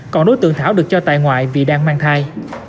còn đối tượng thảo được cho tại ngoại vì đang mang thai